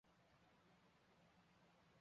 达科塔鳄属于中真鳄类的棱角鳞鳄科。